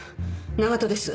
長門です。